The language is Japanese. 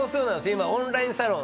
今オンラインサロン。